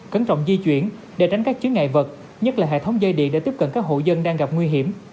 cẩn trọng di chuyển để tránh các chứa ngại vật nhất là hệ thống dây điện để tiếp cận các hộ dân đang gặp nguy hiểm